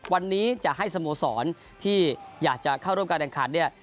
วันนี้จะให้สโมสรที่อยากจะเข้าร่วมการแข่งขันเนี่ย